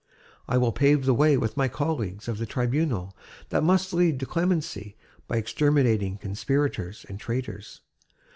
I will pave the way with my colleagues of the Tribunal that must lead to clemency by exterminating conspirators and traitors.